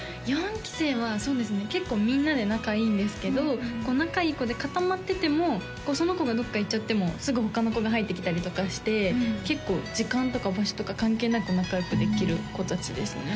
４期生はそうですね結構みんなで仲いいんですけど仲いい子で固まっててもその子がどっか行っちゃってもすぐ他の子が入ってきたりとかして結構時間とか場所とか関係なく仲良くできる子達ですね